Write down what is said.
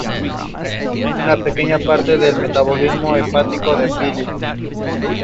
There was never any trouble.